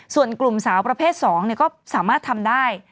ส่วนกลุ่มสาวประเภท๒ก็สามารถทำได้